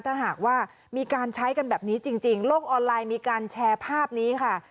ถ้าหากว่ามีการใช้กันแบบนี้จริงโลกออนไลน์มีการแชร์ภาพนี้ค่ะ